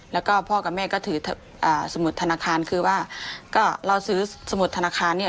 แล้วก็พ่อกับแม่ก็ถือสมุดธนาคารคือว่าก็เราซื้อสมุดธนาคารเนี่ย